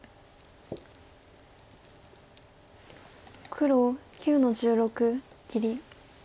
黒９の十六切り。